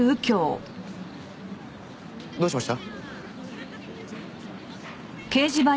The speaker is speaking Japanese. どうしました？